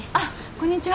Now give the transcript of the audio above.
こんにちは。